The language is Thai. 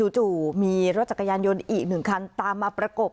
จู่มีรถจักรยานยนต์อีก๑คันตามมาประกบ